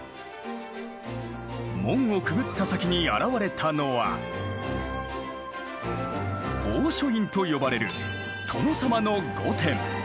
門をくぐった先に現れたのは「大書院」と呼ばれる殿様の御殿。